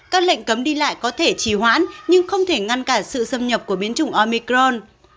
các lệnh cấm đi lại có thể trì hoãn nhưng không thể ngăn cản sự xâm nhập của biến chủng omicron